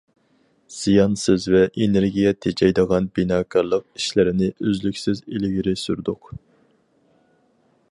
زىيانسىز ۋە ئېنېرگىيە تېجەيدىغان بىناكارلىق ئىشلىرىنى ئۈزلۈكسىز ئىلگىرى سۈردۇق.